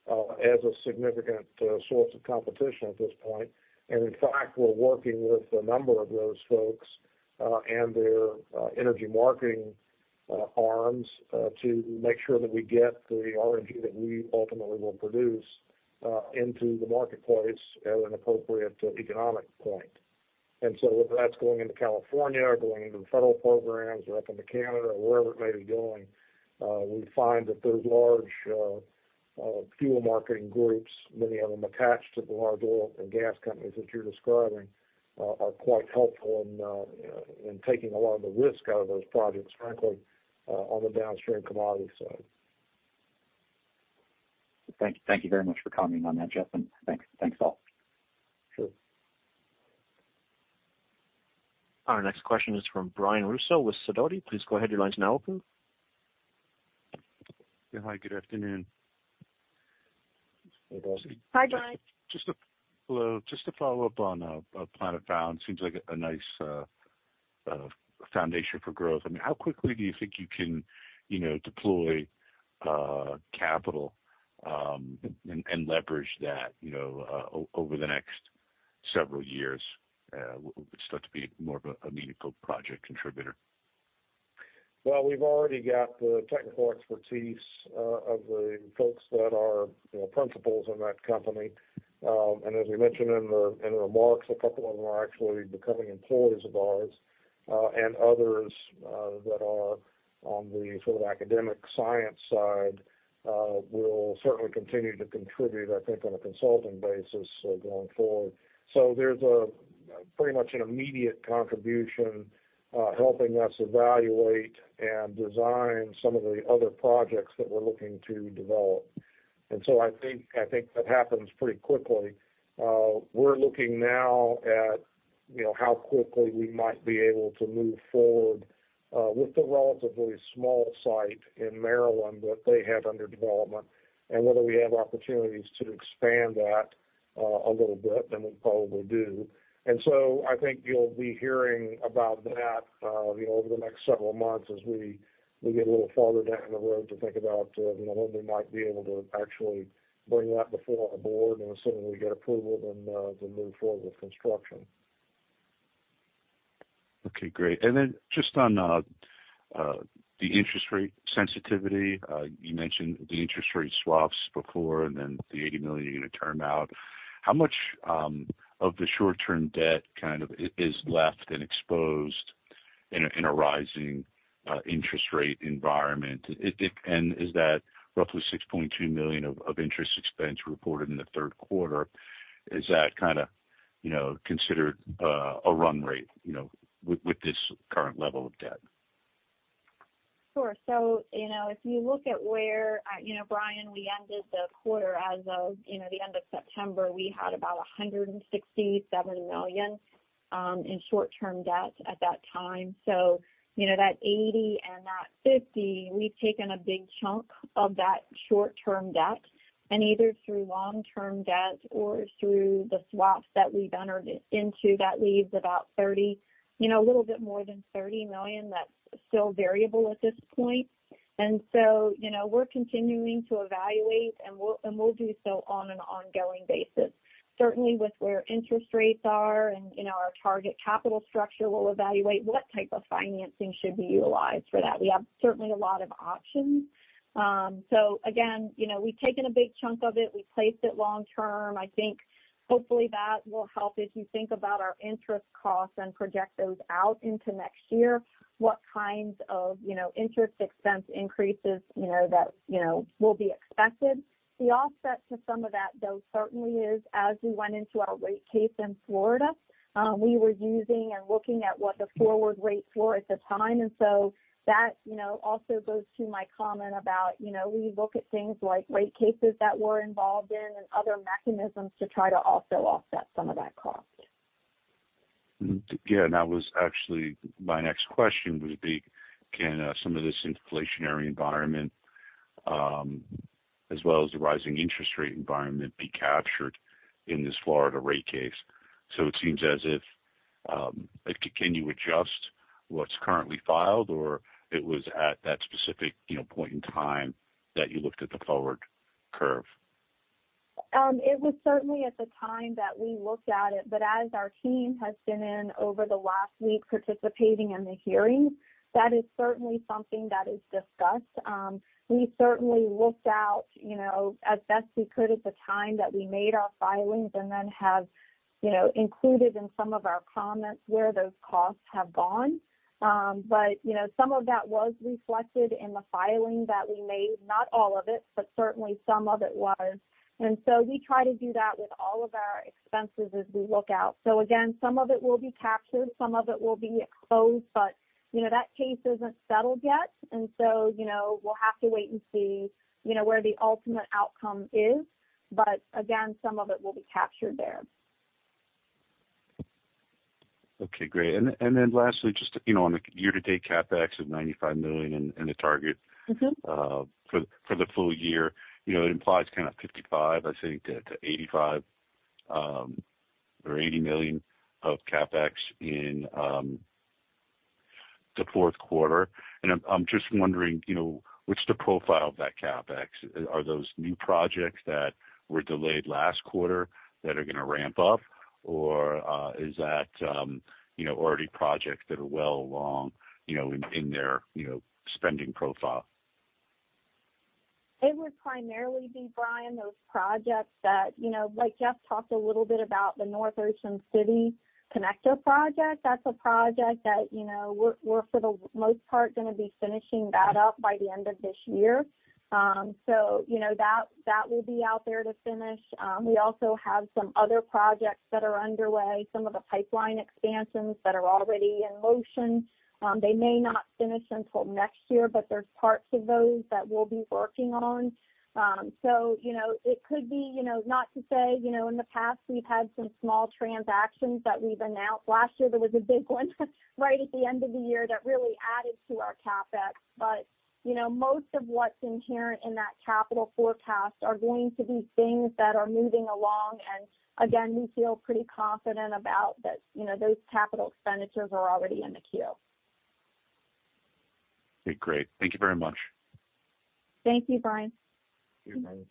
as a significant source of competition at this point. In fact, we're working with a number of those folks, and their energy marketing arms, to make sure that we get the RNG that we ultimately will produce into the marketplace at an appropriate economic point. Whether that's going into California or going into the federal programs or up into Canada or wherever it may be going, we find that those large fuel marketing groups, many of them attached to the large oil and gas companies that you're describing, are quite helpful in taking a lot of the risk out of those projects, frankly, on the downstream commodity side. Thank you very much for commenting on that, Jeff, and thanks all. Sure. Our next question is from Brian Russo with Sidoti. Please go ahead. Your line is now open. Yeah, hi, good afternoon. Hey, Brian. Hi, Brian. Hello. Just to follow up on Planet Found. Seems like a nice foundation for growth. I mean, how quickly do you think you can, you know, deploy capital and leverage that, you know, over the next several years, start to be more of a meaningful project contributor? Well, we've already got the technical expertise of the folks that are, you know, principals in that company. As we mentioned in the remarks, a couple of them are actually becoming employees of ours, and others that are on the sort of academic science side will certainly continue to contribute, I think, on a consulting basis going forward. There's a pretty much an immediate contribution helping us evaluate and design some of the other projects that we're looking to develop. I think that happens pretty quickly. We're looking now at, you know, how quickly we might be able to move forward with the relatively small site in Maryland that they have under development, and whether we have opportunities to expand that a little bit, and we probably do. I think you'll be hearing about that, you know, over the next several months as we get a little farther down the road to think about, you know, when we might be able to actually bring that before our board, and assuming we get approval, then move forward with construction. Okay, great. Then just on the interest rate sensitivity. You mentioned the interest rate swaps before and then the $80 million you're gonna term out. How much of the short-term debt kind of is left and exposed in a rising interest rate environment? It. Is that roughly $6.2 million of interest expense reported in the third quarter, is that kind of you know considered a run rate you know with this current level of debt. Sure. You know, if you look at where you know, Brian, we ended the quarter as of you know, the end of September, we had about $167 million in short-term debt at that time. You know, that $80 million and $50 million, we've taken a big chunk of that short-term debt and either through long-term debt or through the swaps that we've entered into, that leaves about $30 million, you know, a little bit more than $30 million that's still variable at this point. You know, we're continuing to evaluate and we'll do so on an ongoing basis. Certainly with where interest rates are and you know, our target capital structure will evaluate what type of financing should we utilize for that. We have certainly a lot of options. Again, you know, we've taken a big chunk of it. We placed it long term. I think hopefully that will help as you think about our interest costs and project those out into next year, what kinds of, you know, interest expense increases, you know, that, you know, will be expected. The offset to some of that though certainly is, as we went into our rate case in Florida, we were using and looking at what the forward rates were at the time. That, you know, also goes to my comment about, you know, we look at things like rate cases that we're involved in and other mechanisms to try to also offset some of that cost. Yeah. That was actually my next question would be, can some of this inflationary environment, as well as the rising interest rate environment be captured in this Florida rate case? It seems as if, like can you adjust what's currently filed, or it was at that specific, you know, point in time that you looked at the forward curve? It was certainly at the time that we looked at it, but as our team has been in over the last week participating in the hearing, that is certainly something that is discussed. We certainly looked out, you know, as best we could at the time that we made our filings and then have, you know, included in some of our comments where those costs have gone. You know, some of that was reflected in the filing that we made, not all of it, but certainly some of it was. We try to do that with all of our expenses as we look out. Again, some of it will be captured, some of it will be exposed, but you know, that case isn't settled yet, and so, you know, we'll have to wait and see, you know, where the ultimate outcome is. Again, some of it will be captured there. Okay, great. Then lastly, just, you know, on the year-to-date CapEx of $95 million and the target. For the full year, you know, it implies kind of $55 million-$85 million or $80 million of CapEx in the fourth quarter. I'm just wondering, you know, what's the profile of that CapEx? Are those new projects that were delayed last quarter that are gonna ramp up? Or is that, you know, already projects that are well along, you know, in their spending profile? It would primarily be, Brian, those projects that, you know, like Jeff talked a little bit about the North Ocean City Connector project. That's a project that, you know, we're for the most part gonna be finishing that up by the end of this year. You know, that will be out there to finish. We also have some other projects that are underway, some of the pipeline expansions that are already in motion. They may not finish until next year, but there's parts of those that we'll be working on. You know, it could be, you know, not to say, you know, in the past we've had some small transactions that we've announced. Last year there was a big one right at the end of the year that really added to our CapEx. You know, most of what's inherent in that capital forecast are going to be things that are moving along. We feel pretty confident about that, you know, those capital expenditures are already in the queue. Okay, great. Thank you very much. Thank you, Brian. Thank you.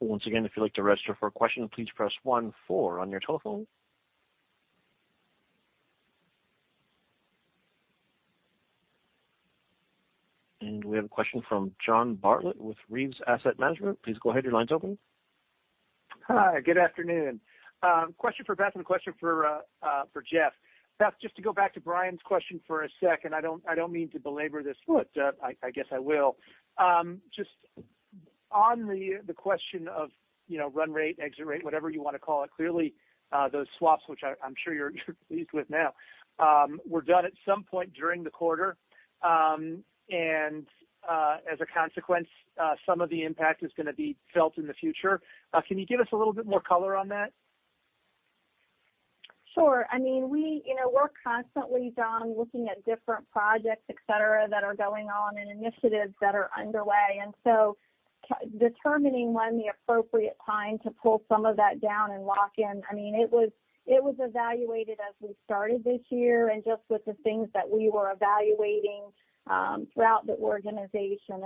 Once again, if you'd like to register for a question, please press one, four on your telephone. We have a question from John Bartlett with Reaves Asset Management. Please go ahead. Your line's open. Hi, good afternoon. Question for Beth and a question for Jeff. Beth, just to go back to Brian's question for a second. I don't mean to belabor this, but I guess I will. Just on the question of, you know, run rate, exit rate, whatever you wanna call it. Clearly, those swaps, which I'm sure you're pleased with now, were done at some point during the quarter. As a consequence, some of the impact is gonna be felt in the future. Can you give us a little bit more color on that? Sure. I mean, we, you know, we're constantly, John, looking at different projects, et cetera, that are going on and initiatives that are underway. Determining when the appropriate time to pull some of that down and lock in, I mean, it was evaluated as we started this year and just with the things that we were evaluating throughout the organization.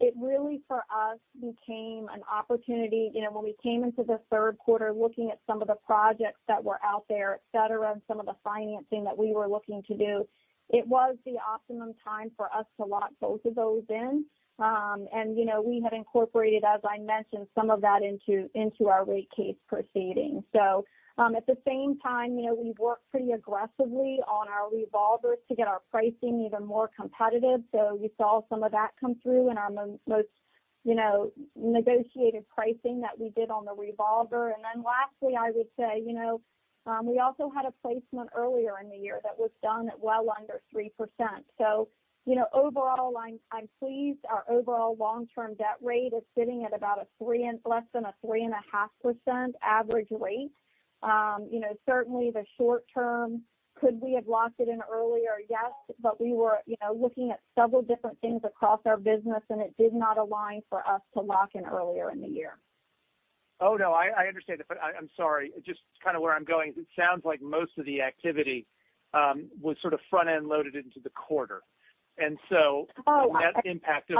It really, for us, became an opportunity. You know, when we came into the third quarter looking at some of the projects that were out there, et cetera, and some of the financing that we were looking to do, it was the optimum time for us to lock both of those in. You know, we have incorporated, as I mentioned, some of that into our rate case proceedings. At the same time, you know, we've worked pretty aggressively on our revolvers to get our pricing even more competitive. We saw some of that come through in our most you know, negotiated pricing that we did on the revolver. And then lastly, I would say, you know, we also had a placement earlier in the year that was done at well under 3%. You know, overall, I'm pleased our overall long-term debt rate is sitting at about 3% and less than 3.5% average rate. You know, certainly, in the short term, could we have locked it in earlier? Yes. We were, you know, looking at several different things across our business, and it did not align for us to lock in earlier in the year. Oh, no, I understand that, but I'm sorry, just kinda where I'm going. It sounds like most of the activity was sort of front-end loaded into the quarter. Oh, I. That impacted.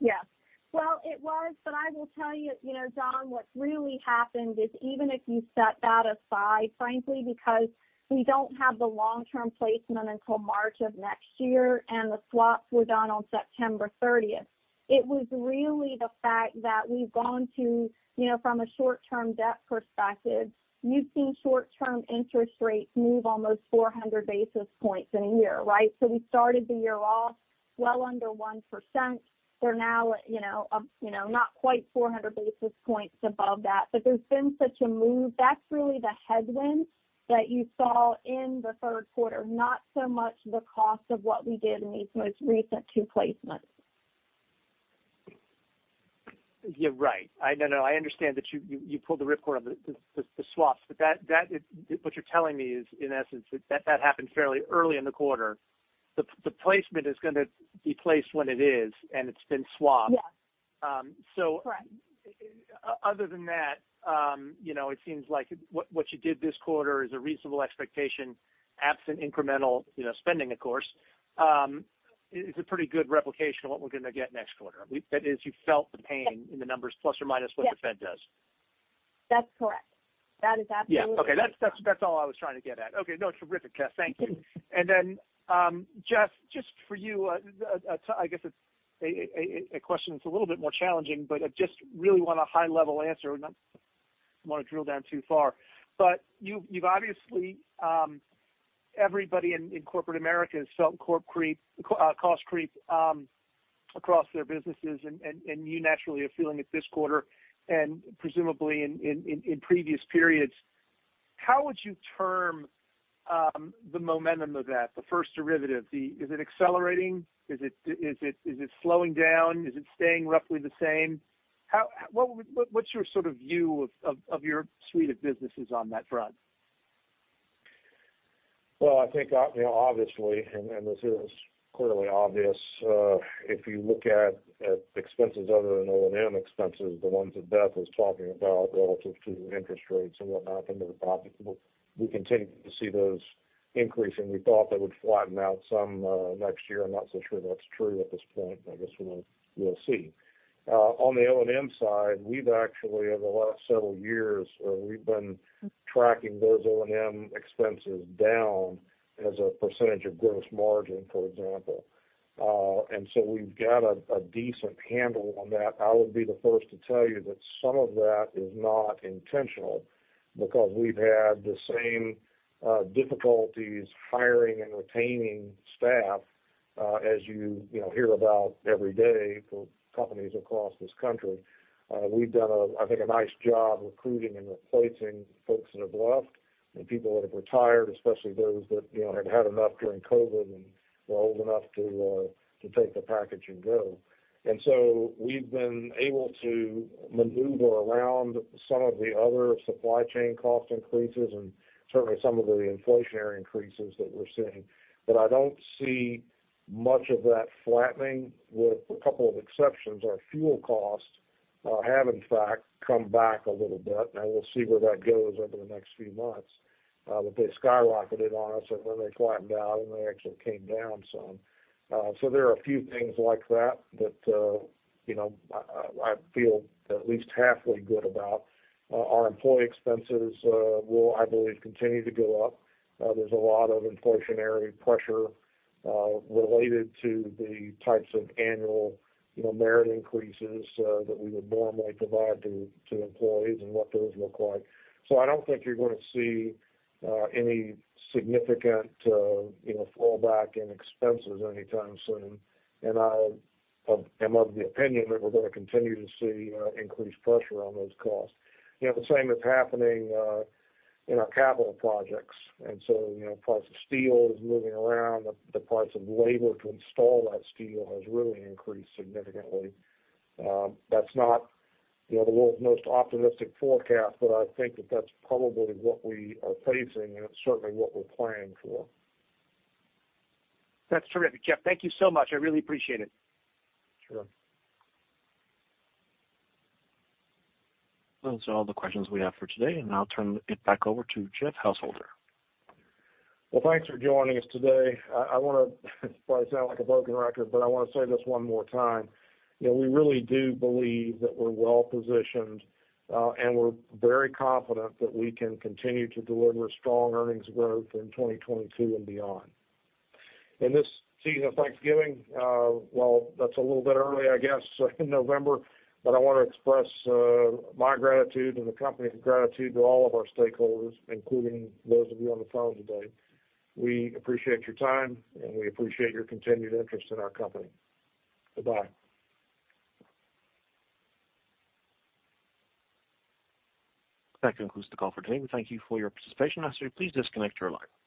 Yes. Well, it was, but I will tell you know, John, what's really happened is even if you set that aside, frankly, because we don't have the long-term placement until March of next year, and the swaps were done on September 30th. It was really the fact that we've gone to, you know, from a short-term debt perspective, you've seen short-term interest rates move almost 400 basis points in a year, right? So we started the year off well under 1%. They're now, you know, you know, not quite 400 basis points above that. But there's been such a move. That's really the headwind that you saw in the third quarter, not so much the cost of what we did in these most recent two placements. Yeah. Right. No, I understand that you pulled the rip cord on the swaps. That is what you're telling me is, in essence. That happened fairly early in the quarter. The placement is gonna be placed when it is, and it's been swapped. Yes. So. Correct. Other than that, you know, it seems like what you did this quarter is a reasonable expectation, absent incremental, you know, spending, of course. It's a pretty good replication of what we're gonna get next quarter. That is, you felt the pain in the numbers plus or minus what the Fed does. That's correct. That is absolutely correct. Yeah. Okay. That's all I was trying to get at. Okay. No, it's terrific, Beth. Thank you. Then, Jeff, just for you, I guess it's a question that's a little bit more challenging, but I just really want a high-level answer, not wanna drill down too far. But you've obviously, everybody in corporate America has felt cost creep across their businesses and you naturally are feeling it this quarter and presumably in previous periods. How would you term the momentum of that, the first derivative? Is it accelerating? Is it slowing down? Is it staying roughly the same? What's your sort of view of your suite of businesses on that front? Well, I think you know, obviously, and this is clearly obvious, if you look at expenses other than O&M expenses, the ones that Beth was talking about relative to interest rates and whatnot, and we continue to see those increasing. We thought they would flatten out some next year. I'm not so sure that's true at this point, but I guess we'll see. On the O&M side, we've actually, over the last several years, we've been tracking those O&M expenses down as a percentage of gross margin, for example. And so we've got a decent handle on that. I would be the first to tell you that some of that is not intentional because we've had the same difficulties hiring and retaining staff, as you know, hear about every day for companies across this country. We've done, I think, a nice job recruiting and replacing folks that have left and people that have retired, especially those that, you know, had enough during COVID and were old enough to take the package and go. We've been able to maneuver around some of the other supply chain cost increases and certainly some of the inflationary increases that we're seeing. I don't see much of that flattening with a couple of exceptions. Our fuel costs have in fact come back a little bit, and we'll see where that goes over the next few months. They skyrocketed on us, and then they flattened out, and they actually came down some. There are a few things like that, you know, I feel at least halfway good about. Our employee expenses will, I believe, continue to go up. There's a lot of inflationary pressure related to the types of annual, you know, merit increases that we would normally provide to employees and what those look like. I don't think you're gonna see any significant, you know, fall back in expenses anytime soon. I am of the opinion that we're gonna continue to see increased pressure on those costs. You know, the same is happening in our capital projects. You know, price of steel is moving around. The price of labor to install that steel has really increased significantly. That's not, you know, the world's most optimistic forecast, but I think that that's probably what we are facing, and it's certainly what we're planning for. That's terrific, Jeff. Thank you so much. I really appreciate it. Sure. Those are all the questions we have for today, and I'll turn it back over to Jeff Householder. Well, thanks for joining us today. I wanna probably sound like a broken record, but I wanna say this one more time. You know, we really do believe that we're well-positioned, and we're very confident that we can continue to deliver strong earnings growth in 2022 and beyond. In this season of Thanksgiving, well, that's a little bit early, I guess, in November, but I wanna express my gratitude and the company's gratitude to all of our stakeholders, including those of you on the phone today. We appreciate your time, and we appreciate your continued interest in our company. Goodbye. That concludes the call for today. We thank you for your participation. I ask that you please disconnect your line.